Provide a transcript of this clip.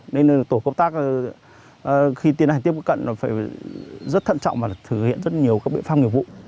nên tổ công tác khi tiến hành tiếp cận phải rất thận trọng và thực hiện rất nhiều